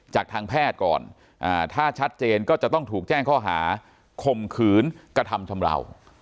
จากทางแพทย์ก่อนถ้าชัดเจนก็จะต้องถูกแจ้งข้อหาข่มขืนกระทำชำราว